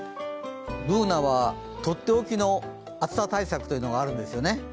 Ｂｏｏｎａはとっておきの暑さ対策があるんですよね？